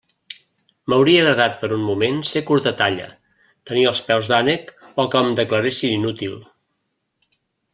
M'hauria agradat per un moment ser curt de talla, tenir els peus d'ànec o que em declaressin inútil.